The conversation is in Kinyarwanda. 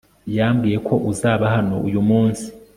yambwiye ko uzaba hano uyu munsi